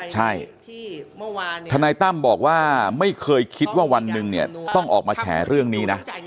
ใช่ทนายตั้มบอกว่าไม่เคยคิดว่าวันหนึ่งเนี่ยต้องออกมาแฉเรื่องนี้นะ